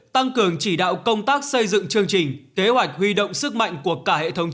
tăng cường chỉ đạo công tác